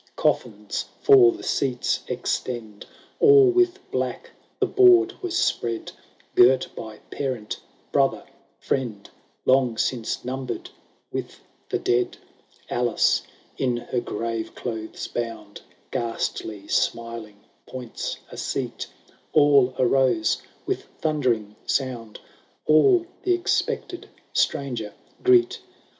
Coffins for the seats extend ; All with black the board was spread, Girt by parent, brother, friend, Long since numbered with the dead ! Alice, in her grave clothes bound, Ghastly smiling, points a seat ; All arose, with thundering sound ; All the expected stranger greet.